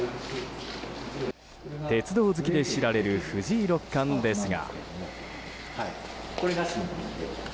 鉄道好きで知られる藤井六冠ですが。